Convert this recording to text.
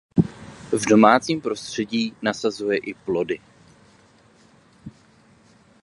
V domácím prostředí nasazuje i plody.